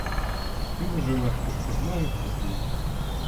Він уже легко стогнав і хропів.